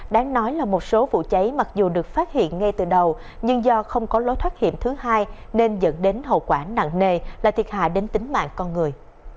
đáng nói là một số vụ cháy mặc dù được phát hiện ngay từ đầu nhưng do không có lối thoát hiểm thứ hai nên dẫn đến hậu quả nặng nề là thiệt hại đến tính mạng con người